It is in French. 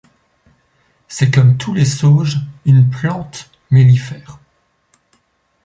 C'est, comme toutes les sauges, une plante mellifère.